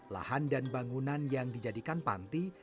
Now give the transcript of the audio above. lahan dan bangunan yang dijadikan panti